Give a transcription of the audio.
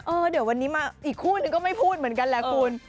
เดี๋ยววันนี้มาอีกคู่นึงก็ไม่พูดเหมือนกันแหละคุณ